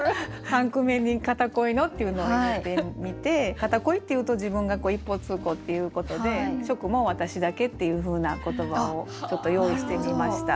三句目に「片恋の」っていうのを入れてみて「片恋」っていうと自分がこう一方通行っていうことで初句も「私だけ」っていうふうな言葉をちょっと用意してみました。